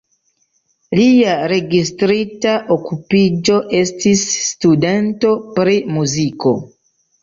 Lia registrita okupiĝo estis "studento pri muziko".